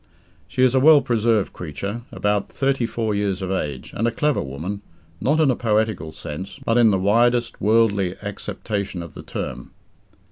She is a well preserved creature, about thirty four years of age, and a clever woman not in a poetical sense, but in the widest worldly acceptation of the term.